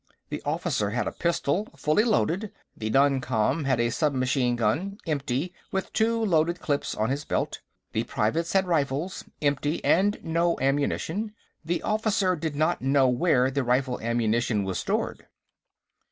The officer had a pistol, fully loaded. The non com had a submachine gun, empty, with two loaded clips on his belt. The privates had rifles, empty, and no ammunition. The officer did not know where the rifle ammunition was stored."